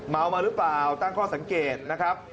เมามาหรือเปล่าตั้งข้อสังเกตนะครับ